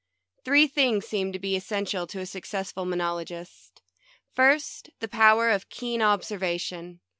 Three things seem to be essential to a suc cessful monologist. First, the power of keen observation.